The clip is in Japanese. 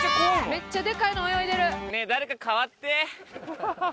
めっちゃデカいの泳いでる。